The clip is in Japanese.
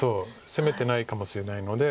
攻めてないかもしれないので。